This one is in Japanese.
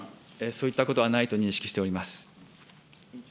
そういったことはないと認識しております。